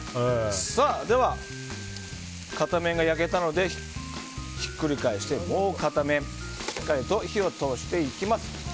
では片面が焼けたのでひっくり返してもう片面しっかりと火を通していきます。